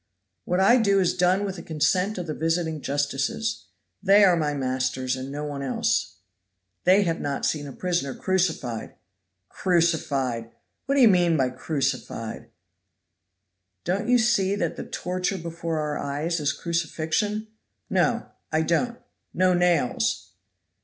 "What I do is done with the consent of the visiting justices. They are my masters, and no one else." "They have not seen a prisoner crucified." "Crucified! What d'ye mean by crucified?" "Don't you see that the torture before our eyes is crucifixion?" "No! I don't. No nails!"